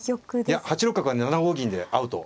いや８六角は７五銀でアウト。